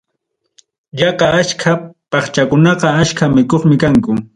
Yaqa achka pakchakunaqa aycha mikuqmi kanku.